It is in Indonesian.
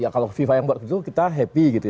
kalau fifa yang buat gitu kita happy gitu